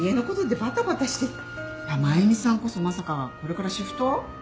真由美さんこそまさかこれからシフト？